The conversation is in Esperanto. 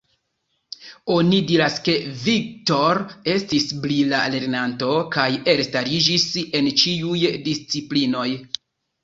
Oni diras ke, Viktor estis brila lernanto, kaj elstariĝis en ĉiuj disciplinoj.